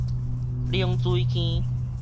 冷水坑